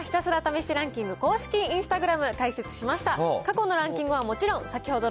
そして先月から、ひたすら試してランキング公式インスタグラム開設しました。